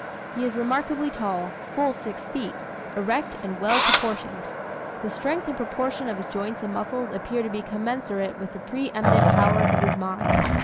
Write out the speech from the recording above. He is remarkably tall full six feet erect and well proportioned. The strength and proportion of his joints and muscles appear to be commensurate with the pre eminent powers of his mind.